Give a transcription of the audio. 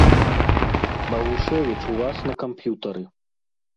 Багушэвіч у вас на камп'ютары.